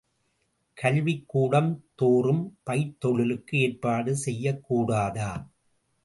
கல்விக்கூடம்தோறும் பயிர்த்தொழிலுக்கு ஏற்பாடு செய்யக்கூடாதா?